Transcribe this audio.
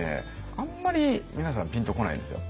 あんまり皆さんピンとこないんですよ。